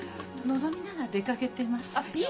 のぞみなら出かけてますけど。